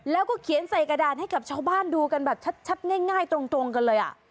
แล้วก็เขียนใส่กระดาษให้กับชาวบ้านดูกันแบบชัดง่ายตรงกันเลย